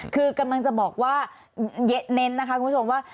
คือกำลังจะบอกว่าเน้นนะคะคุณผู้ชมว่า